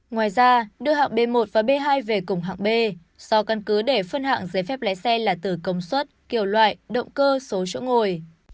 ngoài ra đưa hạng b một và b hai về cùng hạng b sau căn cứ để phân hạng giấy phép lái xe là từ công suất kiểu loại động cơ số chỗ ngồi